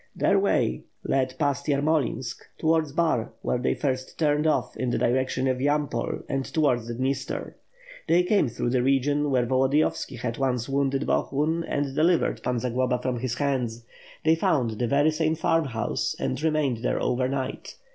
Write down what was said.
Their way led past Yarmolints towards Bar where they first turned off in the direction of Yampol and towards the Dniester. They came through the region where Volodiyovski had once wounded Bohun and delivered l^an Zagloba from his hands; they found the very same farm house and remained there over night.